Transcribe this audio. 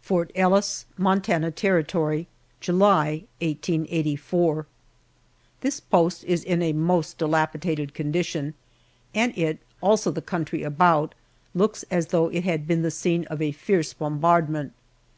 FORT ELLIS, MONTANA TERRITORY, July, 1884. THIS post is in a most dilapidated condition, and it also the country about looks as though it had been the scene of a fierce bombardment.